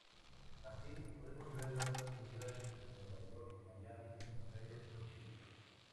Así, podemos verlas en lugares como Nueva York, Miami, Buenos Aires o Chile.